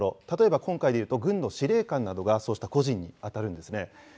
例えば今回で言うと、軍の司令官などがそうした個人に当たるんですね。